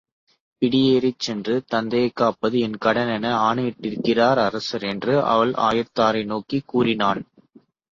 பிடியேற்றிச் சென்று தத்தையைக் காப்பது என் கடனென ஆணையிட்டிருக்கிறார் அரசர் என்று அவள் ஆயத்தாரை நோக்கிக் கூறினான்.